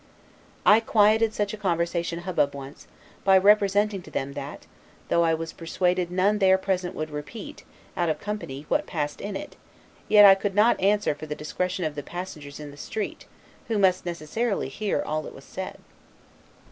I quieted such a conversation hubbub once, by representing to them that, though I was persuaded none there present would repeat, out of company, what passed in it, yet I could not answer for the discretion of the passengers in the street, who must necessarily hear all that was said.